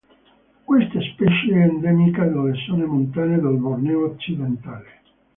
Questa specie è endemica delle zone montane del Borneo occidentale.